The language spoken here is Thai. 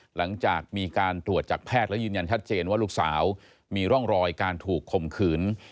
หลังจากมีการตรวจจากแพทย์แล้วยืนยันชัดเจนว่าลูกสาวมีร่องรอยการถูกข่มขืน